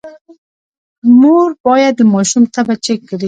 مور باید د ماشوم تبه چیک کړي۔